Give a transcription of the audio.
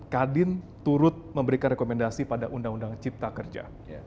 kadin turut memberikan rekomendasi pada undang undang cipta kerja